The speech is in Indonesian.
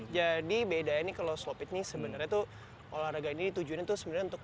jadi bedanya nih kalau slow pitch nih sebenarnya tuh olahraga ini tujuannya tuh sebenarnya untuk